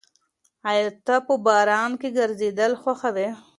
ایا ته په باران کې ګرځېدل خوښوې؟